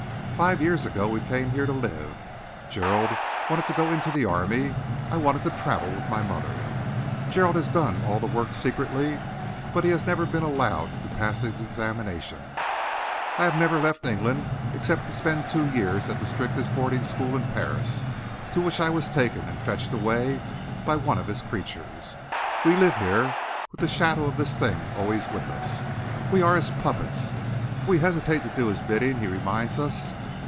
Five years ago we came here to live. Gerald wanted to go into the army; I wanted to travel with my mother. Gerald has done all the work secretly, but he has never been allowed to pass his examinations. I have never left England except to spend two years at the strictest boarding school in Paris, to which I was taken and fetched away by one of his creatures. We live here, with the shadow of this thing always with us. We are his puppets. If we hesitate to do his bidding, he reminds us.